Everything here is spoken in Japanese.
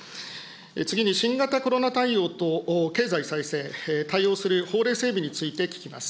次に新型コロナ対応と経済再生、対応する法令整備について聞きます。